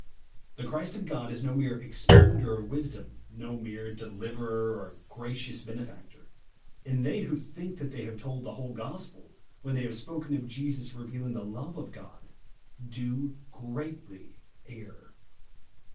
The Christ of God is no mere expounder of wisdom; no mere deliverer or gracious benefactor ; and they who think that they have told the whole gospel, when they have spoken of Jesus revealing the love of God, do greatly err.